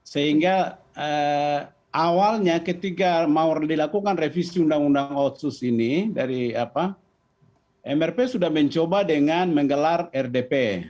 sehingga awalnya ketika mau dilakukan revisi undang undang otsus ini dari mrp sudah mencoba dengan menggelar rdp